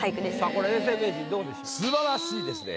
これ永世名人どうでしょう？あっ。